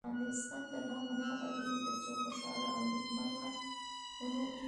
افغانستان تر هغو نه ابادیږي، ترڅو خوشحاله او نیکمرغه ونه اوسو.